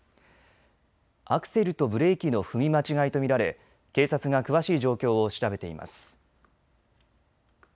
アクセルとブレーキの踏み間違いと見られ警察が詳しい状況を調べています。